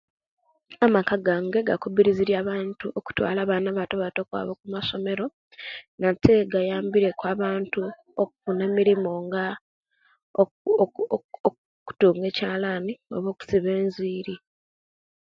Amaka gange gakubirizirie abantu okutwala abana abatobato okwaba okumasomero nate gayambire ku abantu okufuna emirimu nga oku oku okutunga ekyalani oba okusiba enviri